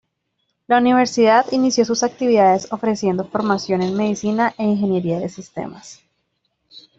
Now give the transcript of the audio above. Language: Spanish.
La universidad inició sus actividades ofreciendo formación en Medicina e Ingeniería de Sistemas.